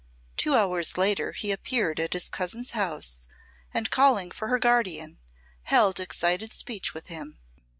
Two hours later he appeared at his cousin's house and, calling for her guardian, held excited speech with him.